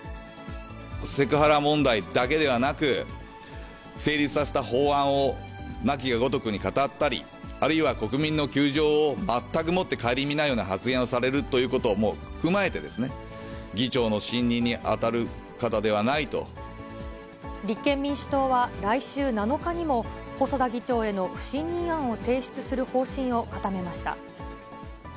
セクハラ問題だけではなく、成立させた法案をなきやごとくに語ったり、あるいは国民の窮状を全くもって顧みないような発言をされるということをもう踏まえて、立憲民主党は、来週７日にも、細田議長への不信任案を提出する方針を固めました。